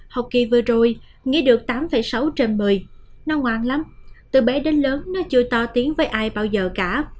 học kỳ vừa rồi nghĩ được tám sáu trên một mươi năm ngoan lắm từ bé đến lớn nó chưa to tiếng với ai bao giờ cả